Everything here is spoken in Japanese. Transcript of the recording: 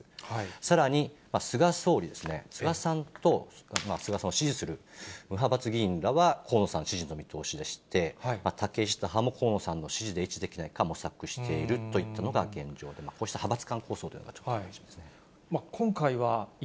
さらに菅総理、菅さんと菅さんを支持する無派閥議員らは、河野さん支持の見通しでして、竹下派も河野さんの支持で一致できないか模索しているという現状、こういった派閥間抗争となっています。